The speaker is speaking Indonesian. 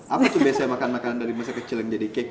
apa tuh biasanya makan makanan dari masa kecil yang jadi cake